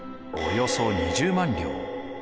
およそ２０万両。